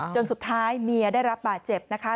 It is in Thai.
จนสุดท้ายเมียได้รับบาดเจ็บนะคะ